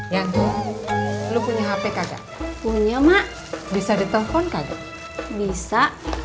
yang lu punya hp kagak punya mak bisa ditelepon kagak bisa